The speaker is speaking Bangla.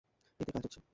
এতে কাজ হচ্ছে।